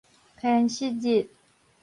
偏蝕日